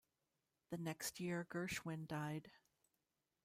The next year Gershwin died.